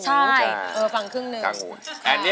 ใช่ฟังครึ่งหนึ่ง